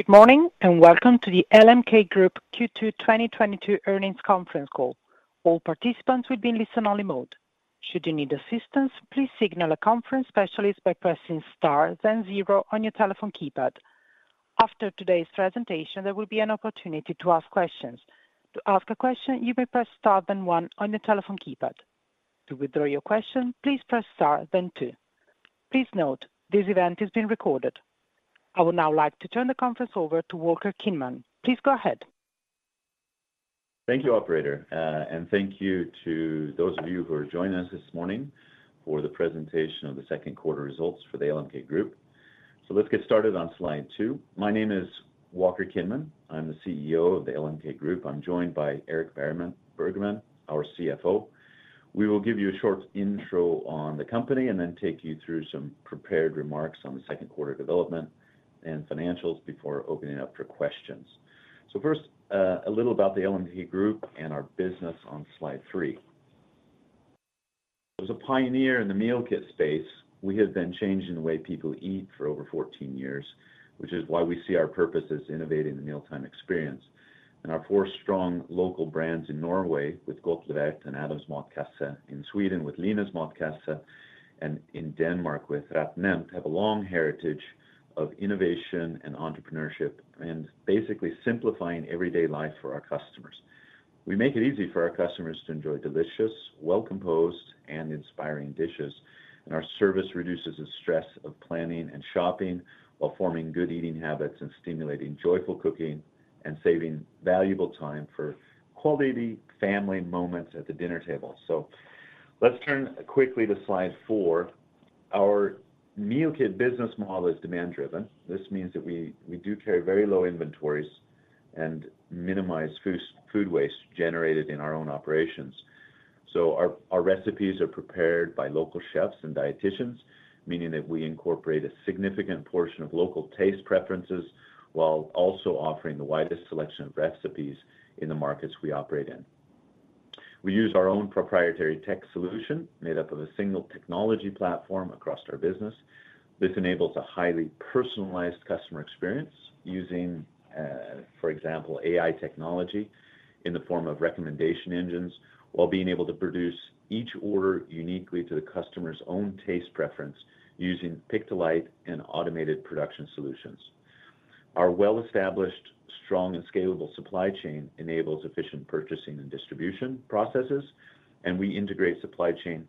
Good morning, and welcome to the Cheffelo AB Q2 2022 Earnings Conference Call. All participants will be in listen-only mode. Should you need assistance, please signal a conference specialist by pressing Star then Zero on your telephone keypad. After today's presentation, there will be an opportunity to ask questions. To ask a question, you may press Star then One on your telephone keypad. To withdraw your question, please press Star then Two. Please note, this event is being recorded. I would now like to turn the conference over to Walker Kinman. Please go ahead. Thank you, operator, and thank you to those of you who are joining us this morning for the presentation of the second quarter results for Cheffelo. Let's get started on slide two. My name is Walker Kinman. I'm the CEO of Cheffelo. I'm joined by Erik Bergman, our CFO. We will give you a short intro on the company and then take you through some prepared remarks on the second quarter development and financials before opening up for questions. First, a little about Cheffelo and our business on slide three. As a pioneer in the meal kit space, we have been changing the way people eat for over 14 years, which is why we see our purpose as innovating the mealtime experience. Our four strong local brands in Norway, with Godtlevert and Adams Matkasse, in Sweden, with Linas Matkasse, and in Denmark, with RetNemt, have a long heritage of innovation and entrepreneurship, and basically simplifying everyday life for our customers. We make it easy for our customers to enjoy delicious, well-composed, and inspiring dishes, and our service reduces the stress of planning and shopping while forming good eating habits and stimulating joyful cooking and saving valuable time for quality family moments at the dinner table. Let's turn quickly to slide 4. Our meal kit business model is demand-driven. This means that we do carry very low inventories and minimize food waste generated in our own operations. Our recipes are prepared by local chefs and dieticians, meaning that we incorporate a significant portion of local taste preferences while also offering the widest selection of recipes in the markets we operate in. We use our own proprietary tech solution made up of a single technology platform across our business. This enables a highly personalized customer experience using, for example, AI technology in the form of recommendation engines, while being able to produce each order uniquely to the customer's own taste preference using pick-to-light and automated production solutions. Our well-established, strong, and scalable supply chain enables efficient purchasing and distribution processes, and we integrate supply chain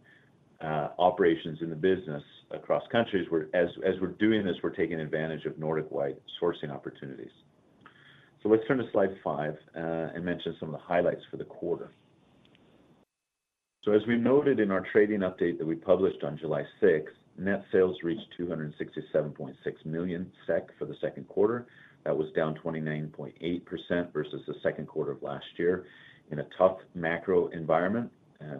operations in the business across countries, as we're doing this, we're taking advantage of Nordic-wide sourcing opportunities. Let's turn to slide five and mention some of the highlights for the quarter. As we noted in our trading update that we published on July sixth, net sales reached 267.6 million SEK for the second quarter. That was down 29.8% versus the second quarter of last year. In a tough macro environment,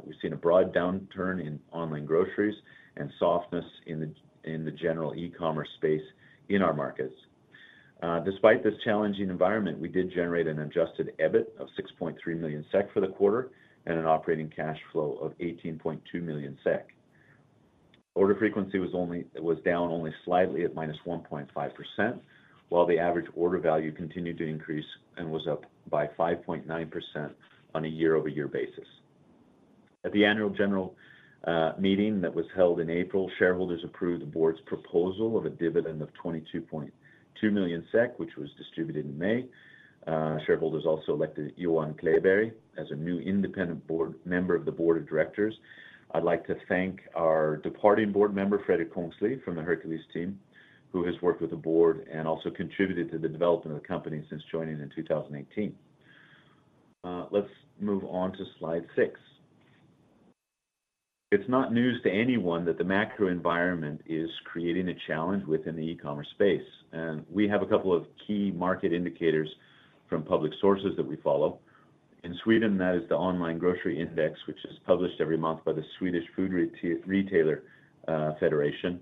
we've seen a broad downturn in online groceries and softness in the general e-commerce space in our markets. Despite this challenging environment, we did generate an adjusted EBIT of 6.3 million SEK for the quarter and an operating cash flow of 18.2 million SEK. Order frequency was down only slightly at -1.5%, while the average order value continued to increase and was up by 5.9% on a year-over-year basis. At the annual general meeting that was held in April, shareholders approved the board's proposal of a dividend of 22.2 million SEK, which was distributed in May. Shareholders also elected Johan Kleberg as a new independent board member of the board of directors. I'd like to thank our departing board member, Fredrik Kongsli from the Herkules team, who has worked with the board and also contributed to the development of the company since joining in 2018. Let's move on to slide 6. It's not news to anyone that the macro environment is creating a challenge within the e-commerce space, and we have a couple of key market indicators from public sources that we follow. In Sweden, that is the Grocery Index, which is published every month by the Swedish Food Retailers Federation.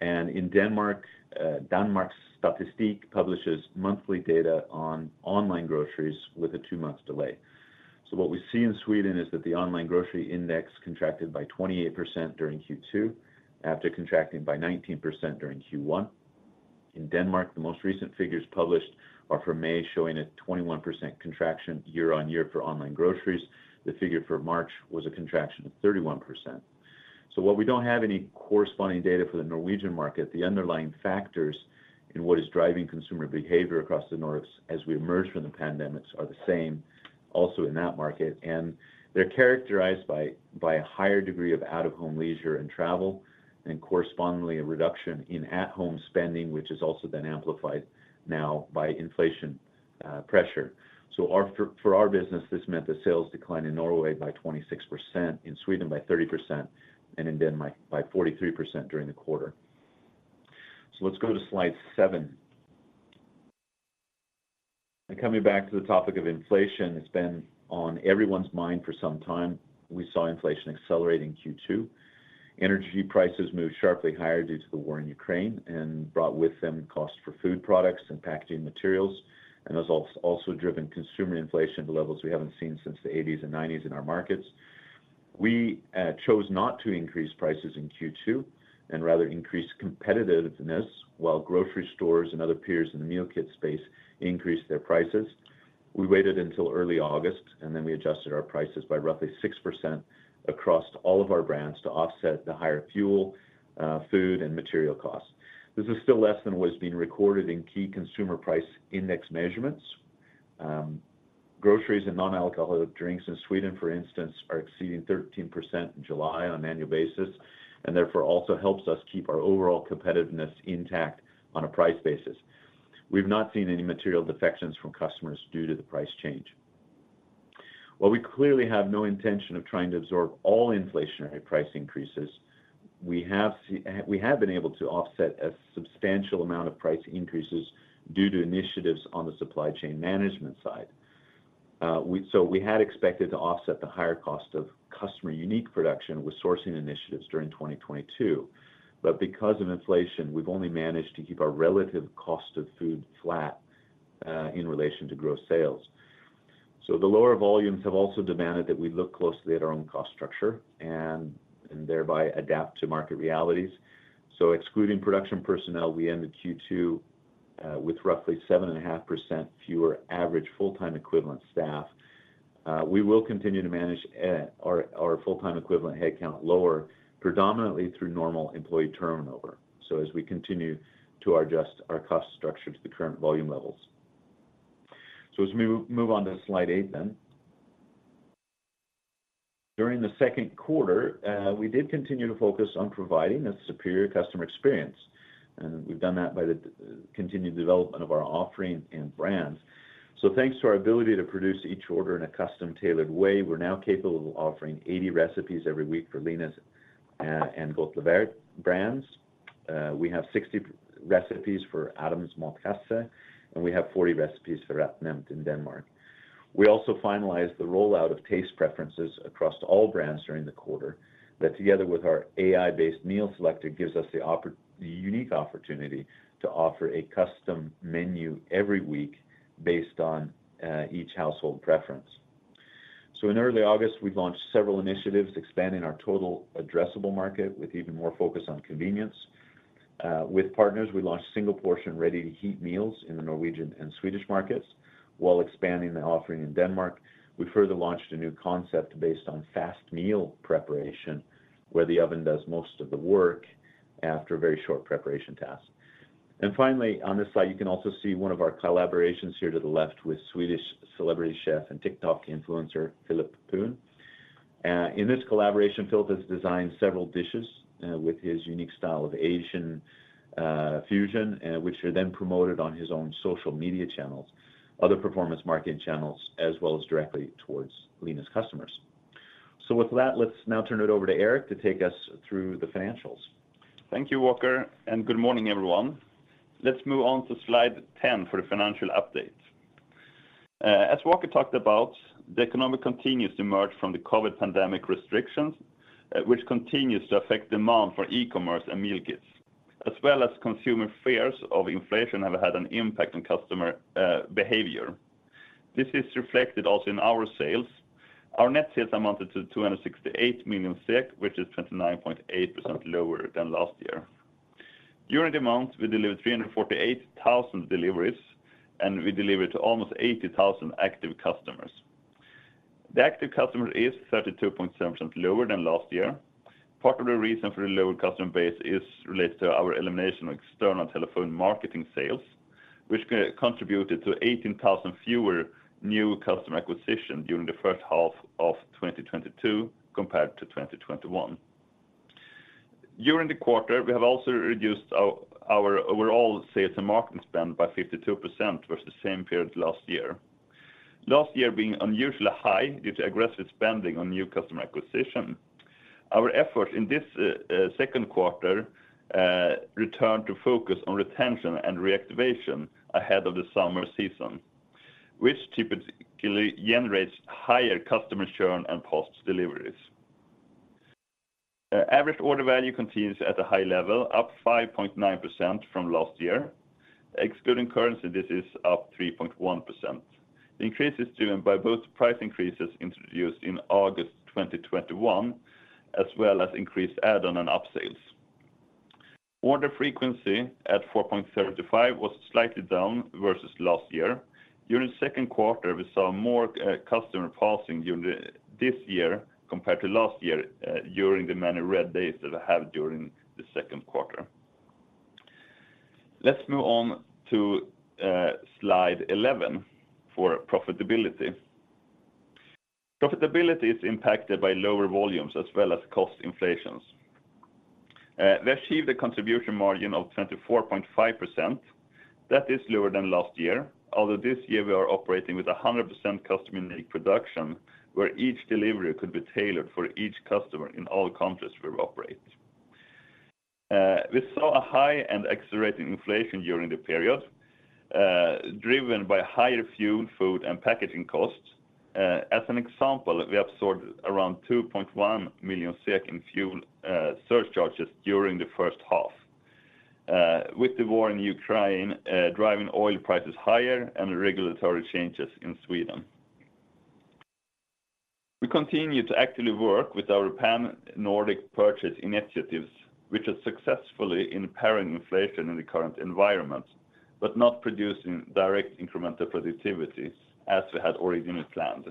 In Denmark, Statistics Denmark publishes monthly data on online groceries with a two-month delay. What we see in Sweden is that the Grocery Index contracted by 28% during Q2 after contracting by 19% during Q1. In Denmark, the most recent figures published are for May, showing a 21% contraction year-on-year for online groceries. The figure for March was a contraction of 31%. While we don't have any corresponding data for the Norwegian market, the underlying factors in what is driving consumer behavior across the Nordics as we emerge from the pandemic are the same also in that market, and they're characterized by a higher degree of out-of-home leisure and travel, and correspondingly a reduction in at-home spending, which has also been amplified now by inflation pressure. For our business, this meant a sales decline in Norway by 26%, in Sweden by 30%, and in Denmark by 43% during the quarter. Let's go to slide seven. Coming back to the topic of inflation, it's been on everyone's mind for some time. We saw inflation accelerate in Q2. Energy prices moved sharply higher due to the war in Ukraine and brought with them costs for food products and packaging materials and has also driven consumer inflation to levels we haven't seen since the 1980s and 1990s in our markets. We chose not to increase prices in Q2 and rather increase competitiveness while grocery stores and other peers in the meal kit space increased their prices. We waited until early August, and then we adjusted our prices by roughly 6% across all of our brands to offset the higher fuel, food, and material costs. This is still less than what is being recorded in key consumer price index measurements. Groceries and non-alcoholic drinks in Sweden, for instance, are exceeding 13% in July on an annual basis, and therefore also helps us keep our overall competitiveness intact on a price basis. We've not seen any material defections from customers due to the price change. While we clearly have no intention of trying to absorb all inflationary price increases, we have been able to offset a substantial amount of price increases due to initiatives on the supply chain management side. We had expected to offset the higher cost of customer unique production with sourcing initiatives during 2022, but because of inflation, we've only managed to keep our relative cost of food flat in relation to gross sales. The lower volumes have also demanded that we look closely at our own cost structure and thereby adapt to market realities. Excluding production personnel, we ended Q2 with roughly 7.5% fewer average full-time equivalent staff. We will continue to manage our full-time equivalent headcount lower predominantly through normal employee turnover, so as we continue to adjust our cost structure to the current volume levels. Let's move on to slide 8 then. During the second quarter, we did continue to focus on providing a superior customer experience, and we've done that by the continued development of our offering and brands. Thanks to our ability to produce each order in a custom-tailored way, we're now capable of offering 80 recipes every week for Linas Matkasse and Godtlevert brands. We have 60 recipes for Adams Matkasse, and we have 40 recipes for RetNemt in Denmark. We also finalized the rollout of taste preferences across all brands during the quarter that together with our AI-based meal selector, gives us the unique opportunity to offer a custom menu every week based on each household preference. In early August, we launched several initiatives expanding our total addressable market with even more focus on convenience. With partners, we launched single-portion, ready-to-heat meals in the Norwegian and Swedish markets while expanding the offering in Denmark. We further launched a new concept based on fast meal preparation, where the oven does most of the work after a very short preparation task. Finally, on this slide, you can also see one of our collaborations here to the left with Swedish celebrity chef and TikTok influencer, Filip Poon. In this collaboration, Filip has designed several dishes, with his unique style of Asian fusion, which are then promoted on his own social media channels, other performance marketing channels, as well as directly towards Linas customers. With that, let's now turn it over to Erik to take us through the financials. Thank you, Walker, and good morning, everyone. Let's move on to slide 10 for the financial update. As Walker talked about, the economy continues to emerge from the COVID pandemic restrictions, which continues to affect demand for e-commerce and meal kits, as well as consumer fears of inflation have had an impact on customer behavior. This is reflected also in our sales. Our net sales amounted to 268 million SEK, which is 29.8% lower than last year. During the month, we delivered 348,000 deliveries, and we delivered to almost 80,000 active customers. The active customers is 32.7% lower than last year. Part of the reason for the lower customer base is related to our elimination of external telephone marketing sales, which co-contributed to 18,000 fewer new customer acquisition during the first half of 2022 compared to 2021. During the quarter, we have also reduced our overall sales and marketing spend by 52% versus the same period last year. Last year being unusually high due to aggressive spending on new customer acquisition. Our effort in this second quarter returned to focus on retention and reactivation ahead of the summer season, which typically generates higher customer churn and paused deliveries. Average order value continues at a high level, up 5.9% from last year. Excluding currency, this is up 3.1%. The increase is driven by both price increases introduced in August 2021, as well as increased add-on and up-sales. Order frequency at 4.35 was slightly down versus last year. During the second quarter, we saw more customer pausing during this year compared to last year, during the many red days that we had during the second quarter. Let's move on to slide 11 for profitability. Profitability is impacted by lower volumes as well as cost inflations. We achieved a contribution margin of 24.5%. That is lower than last year, although this year we are operating with 100% customer unique production, where each delivery could be tailored for each customer in all countries we operate. We saw a high and accelerating inflation during the period, driven by higher fuel, food, and packaging costs. As an example, we absorbed around 2.1 million in fuel surcharges during the first half, with the war in Ukraine driving oil prices higher and regulatory changes in Sweden. We continue to actively work with our Pan-Nordic purchase initiatives, which are successfully impairing inflation in the current environment, but not producing direct incremental productivity as we had originally planned.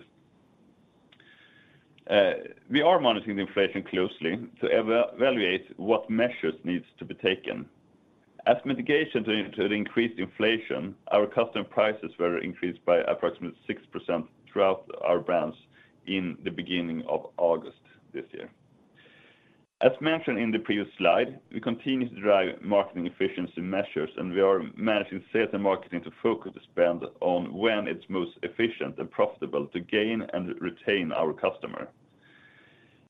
We are monitoring the inflation closely to evaluate what measures needs to be taken. As mitigation to the increased inflation, our customer prices were increased by approximately 6% throughout our brands in the beginning of August this year. As mentioned in the previous slide, we continue to drive marketing efficiency measures, and we are managing sales and marketing to focus spend on when it's most efficient and profitable to gain and retain our customer,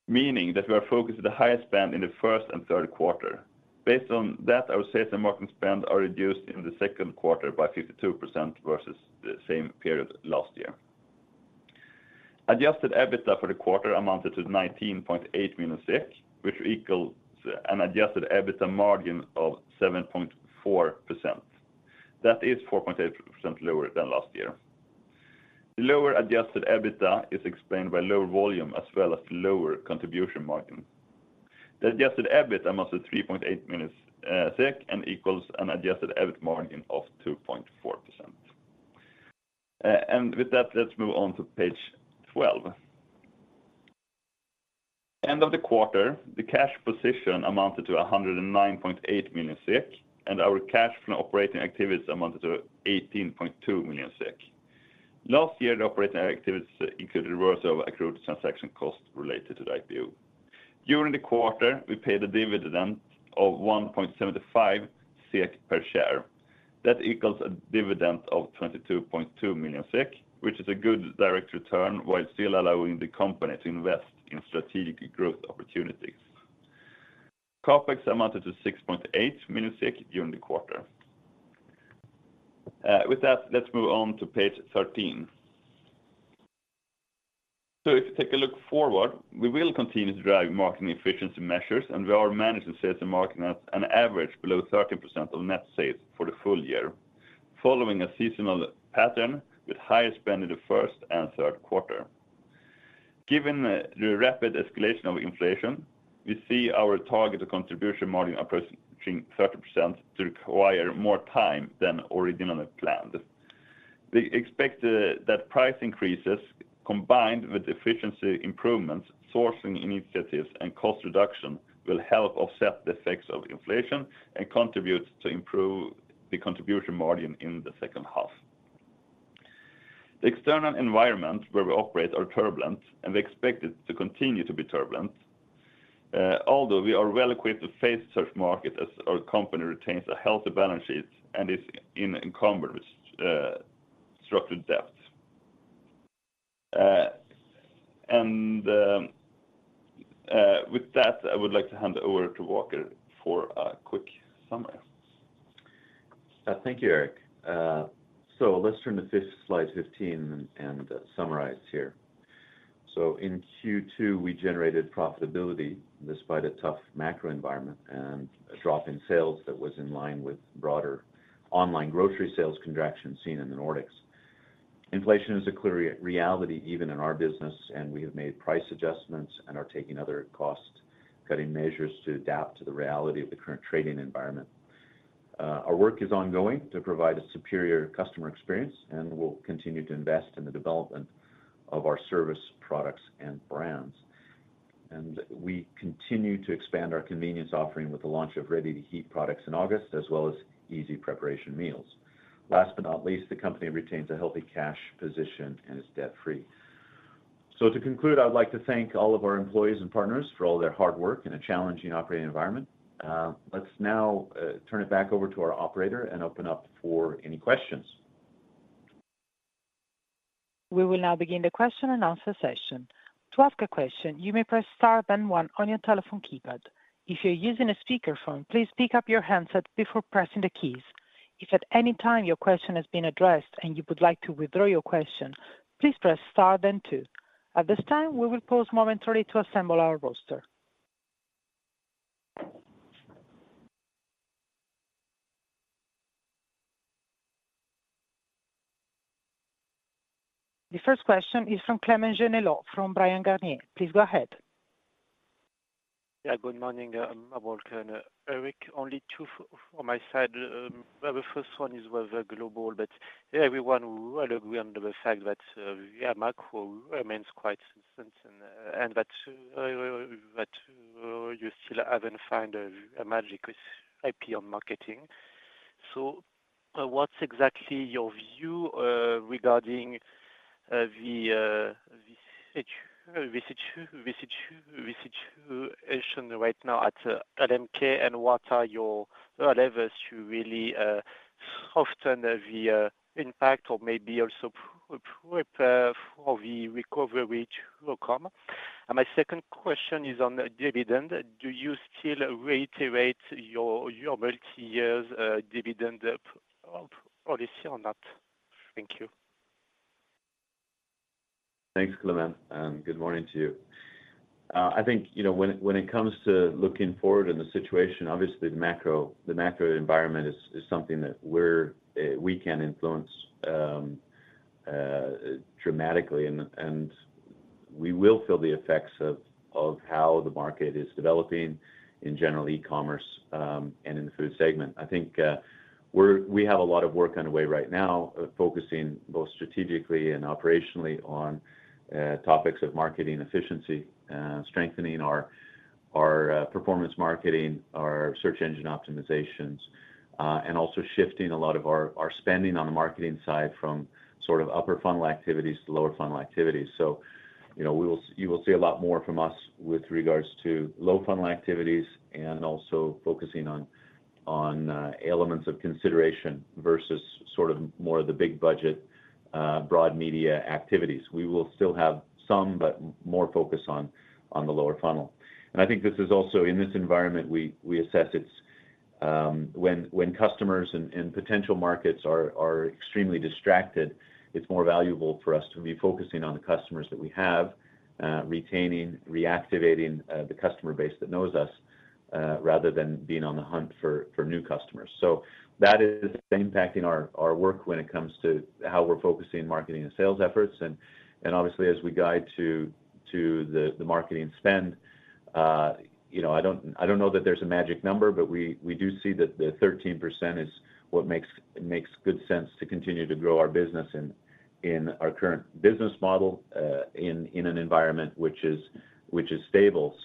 meaning that we are focused the highest spend in the first and third quarter. Based on that, our sales and marketing spend are reduced in the second quarter by 52% versus the same period last year. Adjusted EBITDA for the quarter amounted to 19.8 million SEK, which equals an adjusted EBITDA margin of 7.4%. That is 4.8% lower than last year. The lower adjusted EBITDA is explained by lower volume as well as lower contribution margin. The adjusted EBIT amounts to 3.8 million and equals an adjusted EBIT margin of 2.4%. With that, let's move on to page 12. End of the quarter, the cash position amounted to 109.8 million SEK, and our cash from operating activities amounted to 18.2 million SEK. Last year, the operating activities included reversal of accrued transaction costs related to the IPO. During the quarter, we paid a dividend of 1.75 SEK per share. That equals a dividend of 22.2 million SEK, which is a good direct return while still allowing the company to invest in strategic growth opportunities. CapEx amounted to 6.8 million during the quarter. With that, let's move on to page 13. If you take a look forward, we will continue to drive marketing efficiency measures, and we are managing sales and marketing at an average below 30% of net sales for the full year, following a seasonal pattern with higher spend in the first and third quarter. Given the rapid escalation of inflation, we see our target of contribution margin approaching 30% to require more time than originally planned. We expect that price increases combined with efficiency improvements, sourcing initiatives, and cost reduction will help offset the effects of inflation and contribute to improve the contribution margin in the second half. The external environment where we operate is turbulent, and we expect it to continue to be turbulent. Although we are well equipped to face such markets as our company retains a healthy balance sheet and is not encumbered by structured debt. With that, I would like to hand over to Walker for a quick summary. Thank you, Erik. Let's turn to slide 15 and summarize here. In Q2, we generated profitability despite a tough macro environment and a drop in sales that was in line with broader online grocery sales contraction seen in the Nordics. Inflation is a clear reality even in our business, and we have made price adjustments and are taking other cost-cutting measures to adapt to the reality of the current trading environment. Our work is ongoing to provide a superior customer experience, and we'll continue to invest in the development of our service, products, and brands. We continue to expand our convenience offering with the launch of ready-to-heat products in August as well as easy preparation meals. Last but not least, the company retains a healthy cash position and is debt-free. To conclude, I would like to thank all of our employees and partners for all their hard work in a challenging operating environment. Let's now turn it back over to our operator and open up for any questions. We will now begin the question-and-answer session. To ask a question, you may press star then one on your telephone keypad. If you're using a speakerphone, please pick up your handset before pressing the keys. If at any time your question has been addressed and you would like to withdraw your question, please press star then two. At this time, we will pause momentarily to assemble our roster. The first question is from Clément Genelot from Bryan, Garnier & Co. Please go ahead. Yeah. Good morning, Walker and Erik. Only two from my side. The first one was global, but everyone would agree on the fact that, yeah, macro remains quite sensitive and that you still haven't found a magic IP on marketing. So what's exactly your view regarding the situation right now at MK and what are your levers to really soften the impact or maybe also prepare for the recovery which will come? My second question is on the dividend. Do you still reiterate your multi-years dividend up About Odyssey on that. Thank you. Thanks, Clément, and good morning to you. I think, you know, when it comes to looking forward in the situation, obviously the macro environment is something that we cannot influence dramatically and we will feel the effects of how the market is developing in general e-commerce and in the food segment. I think we have a lot of work underway right now, focusing both strategically and operationally on topics of marketing efficiency, strengthening our performance marketing, our search engine optimizations, and also shifting a lot of our spending on the marketing side from sort of upper funnel activities to lower funnel activities. You know, you will see a lot more from us with regards to low funnel activities and also focusing on elements of consideration versus sort of more of the big budget broad media activities. We will still have some, but more focus on the lower funnel. I think this is also in this environment. We assess it's when customers in potential markets are extremely distracted. It's more valuable for us to be focusing on the customers that we have, retaining, reactivating the customer base that knows us rather than being on the hunt for new customers. That is impacting our work when it comes to how we're focusing marketing and sales efforts. Obviously, as we guide to the marketing spend, you know, I don't know that there's a magic number, but we do see that the 13% is what makes good sense to continue to grow our business in our current business model, in an environment which is stable.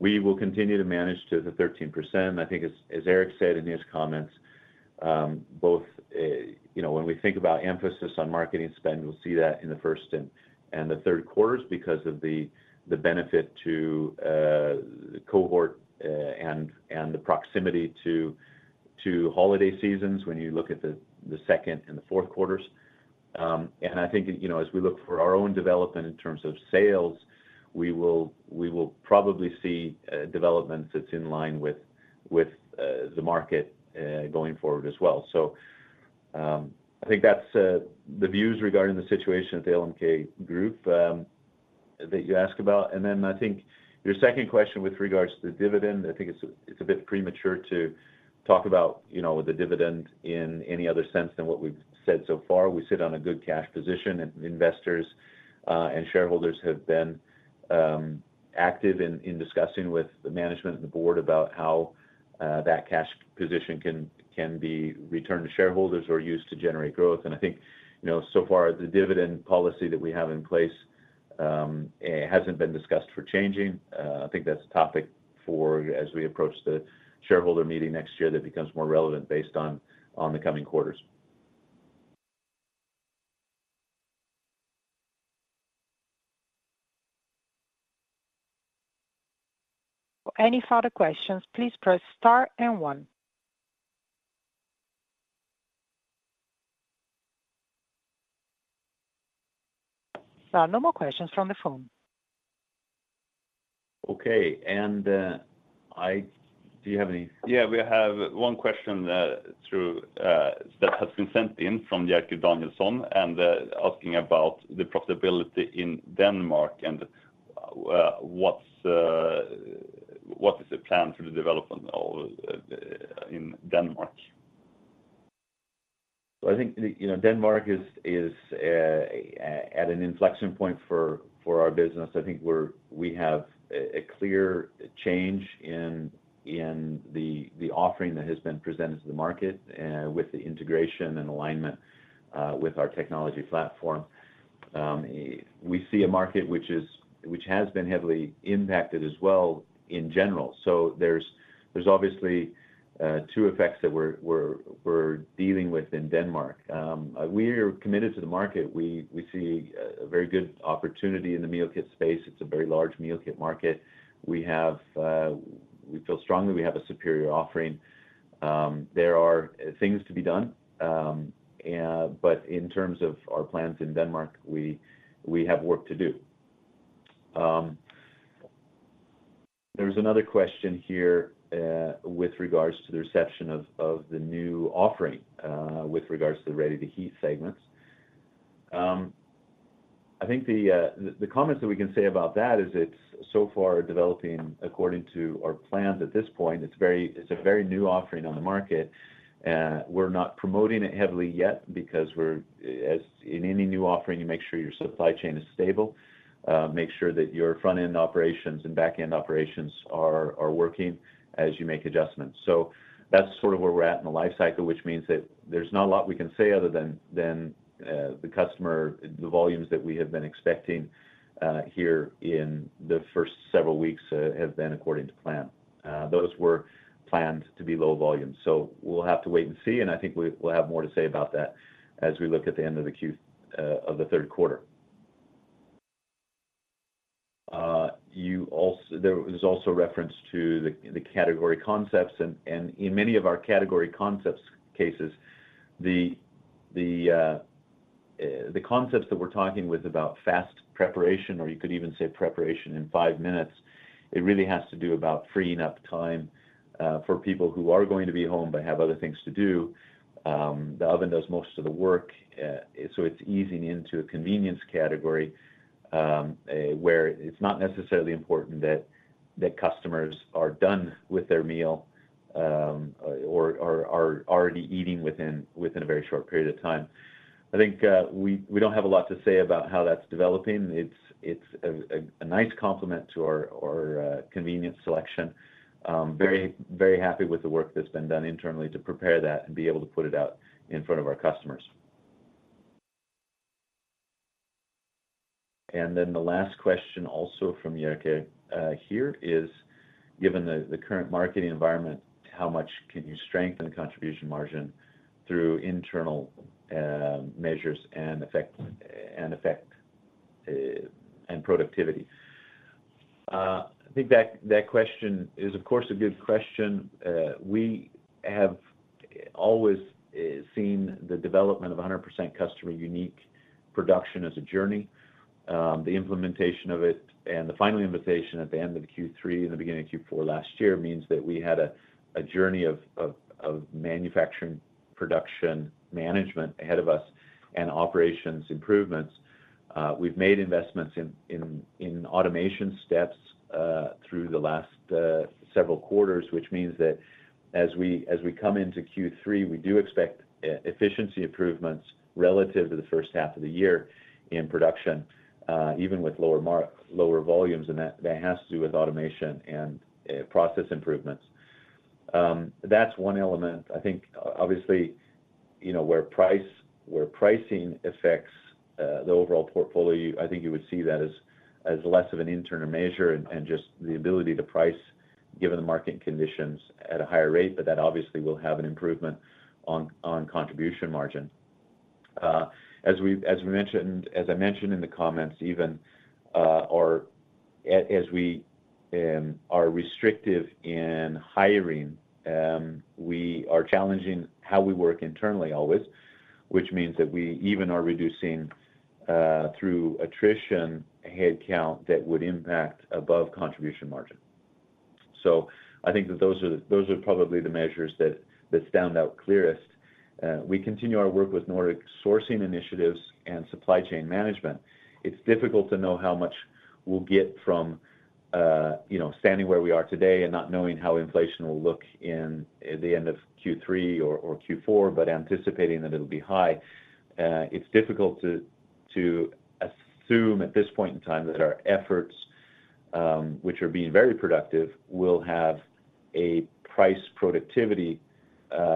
We will continue to manage to the 13%. I think as Erik said in his comments, both, you know, when we think about emphasis on marketing spend, we'll see that in the first and the third quarters because of the benefit to cohort and the proximity to holiday seasons when you look at the second and the fourth quarters. I think, you know, as we look for our own development in terms of sales, we will probably see development that's in line with the market going forward as well. I think that's the views regarding the situation at the LMK group that you ask about. I think your second question with regards to the dividend, it's a bit premature to talk about, you know, the dividend in any other sense than what we've said so far. We sit on a good cash position, and investors and shareholders have been active in discussing with the management and the board about how that cash position can be returned to shareholders or used to generate growth. I think, you know, so far the dividend policy that we have in place hasn't been discussed for changing. I think that's a topic for as we approach the shareholder meeting next year that becomes more relevant based on the coming quarters. For any further questions, please press star and one. There are no more questions from the phone. Okay. Do you have any? Yeah, we have one question through the chat that has been sent in from Jerker Danielsson and asking about the profitability in Denmark and what is the plan for the development in Denmark? I think, you know, Denmark is at an inflection point for our business. I think we have a clear change in the offering that has been presented to the market with the integration and alignment with our technology platform. We see a market which has been heavily impacted as well in general. There's obviously two effects that we're dealing with in Denmark. We're committed to the market. We see a very good opportunity in the meal kit space. It's a very large meal kit market. We feel strongly we have a superior offering. There are things to be done, but in terms of our plans in Denmark, we have work to do. There was another question here with regards to the reception of the new offering with regards to the ready-to-heat segments. I think the comments that we can say about that is it's so far developing according to our plans at this point. It's a very new offering on the market. We're not promoting it heavily yet because we're, as in any new offering, you make sure your supply chain is stable, make sure that your front-end operations and back-end operations are working as you make adjustments. That's sort of where we're at in the life cycle, which means that there's not a lot we can say other than the customer, the volumes that we have been expecting here in the first several weeks have been according to plan. Those were planned to be low volume. We'll have to wait and see, and I think we will have more to say about that as we look at the end of the third quarter. There was also reference to the category concepts and in many of our category concepts cases, the concepts that we're talking about fast preparation, or you could even say preparation in five minutes. It really has to do with freeing up time for people who are going to be home but have other things to do. The oven does most of the work. It's easing into a convenience category, where it's not necessarily important that customers are done with their meal, or already eating within a very short period of time. I think, we don't have a lot to say about how that's developing. It's a nice complement to our convenience selection. Very happy with the work that's been done internally to prepare that and be able to put it out in front of our customers. Then the last question also from Jerke here is, given the current marketing environment, how much can you strengthen the contribution margin through internal measures and efficiency and productivity? I think that question is, of course, a good question. We have always seen the development of 100% customer unique production as a journey. The implementation of it and the final implementation at the end of Q3 and the beginning of Q4 last year means that we had a journey of manufacturing production management ahead of us and operations improvements. We've made investments in automation steps through the last several quarters, which means that as we come into Q3, we do expect efficiency improvements relative to the first half of the year in production, even with lower volumes, and that has to do with automation and process improvements. That's one element. I think obviously, you know, where pricing affects the overall portfolio, I think you would see that as less of an internal measure and just the ability to price given the market conditions at a higher rate, but that obviously will have an improvement on contribution margin. As I mentioned in the comments even, or as we are restrictive in hiring, we are challenging how we work internally always, which means that we even are reducing through attrition, headcount that would impact above contribution margin. I think that those are probably the measures that stand out clearest. We continue our work with Nordic sourcing initiatives and supply chain management. It's difficult to know how much we'll get from standing where we are today and not knowing how inflation will look in the end of Q3 or Q4, but anticipating that it'll be high. It's difficult to assume at this point in time that our efforts, which are being very productive, will have a price productivity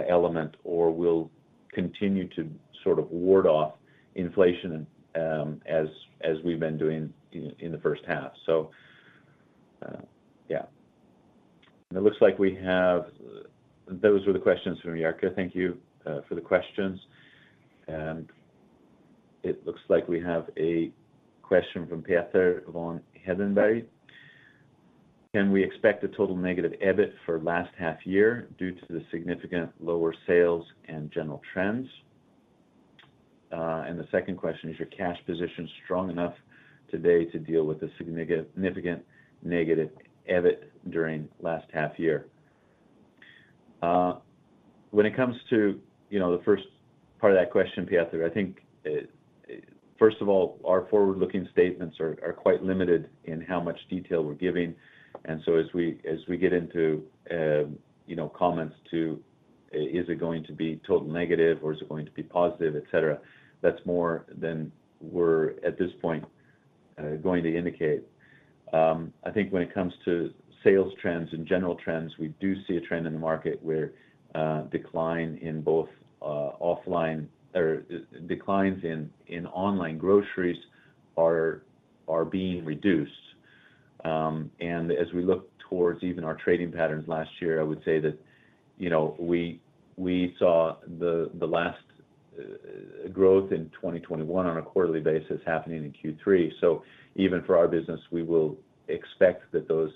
element or will continue to sort of ward off inflation, as we've been doing in the first half. Yeah. It looks like we have. Those were the questions from Jerke. Thank you for the questions. It looks like we have a question from Petter von Hedenberg. Can we expect a total negative EBIT for last half year due to the significant lower sales and general trends? The second question, is your cash position strong enough today to deal with a significant negative EBIT during last half year? When it comes to, you know, the first part of that question, Peter, I think, first of all, our forward-looking statements are quite limited in how much detail we're giving. As we get into, you know, comments to is it going to be totally negative or is it going to be positive, et cetera, that's more than we're at this point, going to indicate. I think when it comes to sales trends and general trends, we do see a trend in the market where declines in both offline and online groceries are being reduced. As we look towards even our trading patterns last year, I would say that, you know, we saw the last growth in 2021 on a quarterly basis happening in Q3. Even for our business, we will expect that those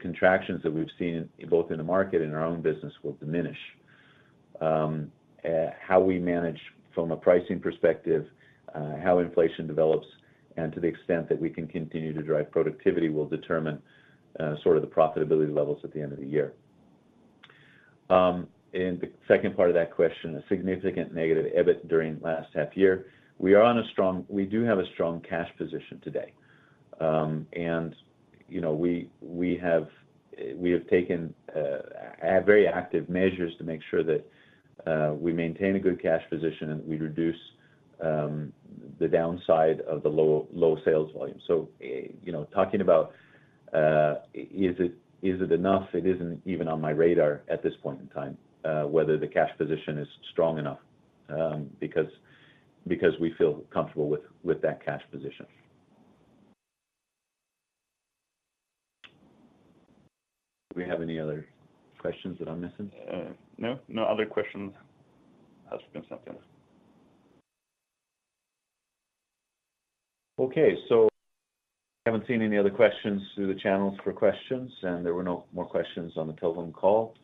contractions that we've seen both in the market and our own business will diminish. How we manage from a pricing perspective, how inflation develops, and to the extent that we can continue to drive productivity will determine sort of the profitability levels at the end of the year. In the second part of that question, a significant negative EBIT during last half year. We do have a strong cash position today. You know, we have taken a very active measures to make sure that we maintain a good cash position and we reduce the downside of the low sales volume. You know, talking about, is it enough? It isn't even on my radar at this point in time whether the cash position is strong enough, because we feel comfortable with that cash position. Do we have any other questions that I'm missing? No. No other questions has come up yet. Okay. I haven't seen any other questions through the channels for questions, and there were no more questions on the telephone call.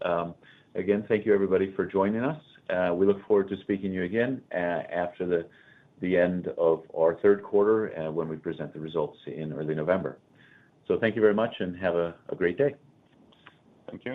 Again, thank you everybody for joining us. We look forward to speaking to you again after the end of our third quarter, when we present the results in early November. Thank you very much and have a great day. Thank you.